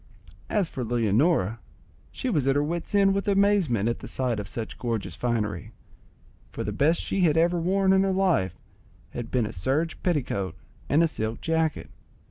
As for Leonora, she was at her wit's end with amazement at the sight of such gorgeous finery, for the best she had ever worn in her life had been but a serge petticoat and a silk jacket.